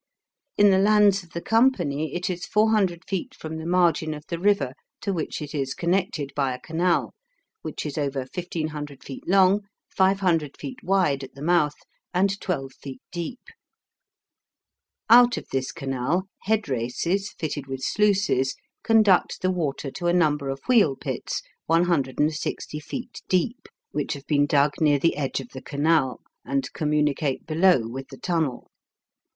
In the lands of the company it is 400 feet from the margin of the river, to which it is connected by a canal, which is over 1500 feet long, 500 feet wide at the mouth, and 12 feet deep. Out of this canal, head races fitted with sluices conduct the water to a number of wheel pits 160 feet deep, which have been dug near the edge of the canal, and communicate below with the tunnel.